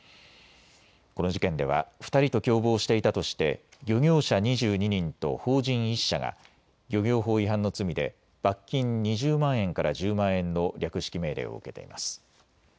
この事件では２人と共謀していたとして漁業者２２人と法人１社が漁業法違反の罪で罰金２０万円から１０万円の略式命令を受けています。